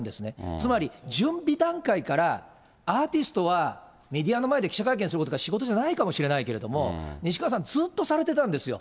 つまり、準備段階から、アーティストはメディアの前で記者会見することが仕事じゃないかもしれないけど、西川さん、ずっとされてたんですよ。